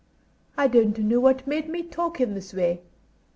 "I don't know what made me talk in this way.